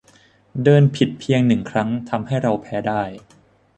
เดินผิดเพียงหนึ่งครั้งทำให้เราแพ้ได้